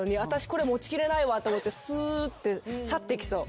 これ持ちきれないわと思ってスーッて去ってきそう。